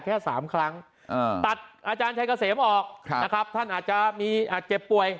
แค่๓ครั้งตัดอาจารย์ชัยเกษมออกนะครับท่านอาจจะมีอาจเจ็บป่วย